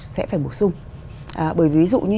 sẽ phải bổ sung bởi ví dụ như